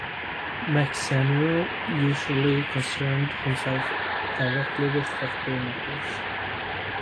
Max Samuel usually concerned himself directly with factory matters.